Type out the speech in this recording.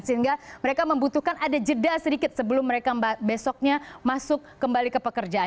sehingga mereka membutuhkan ada jeda sedikit sebelum mereka besoknya masuk kembali ke pekerjaan